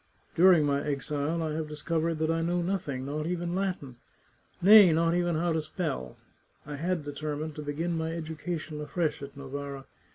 During my exile I have discov ered that I know nothing — not even Latin — nay, not even how to spell ! I had determined to begin my education afresh at Novara.